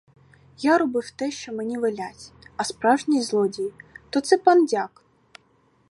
Я робив те, що мені велять, а справжній злодій — то це пан дяк.